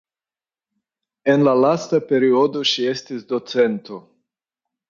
En la lasta periodo ŝi estis docento.